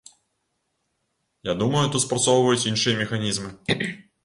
Я думаю, тут спрацоўваюць іншыя механізмы.